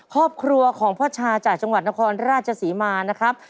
ครอบครัวของพ่อชาจากจังหวัดนครราชศรีมานะครับ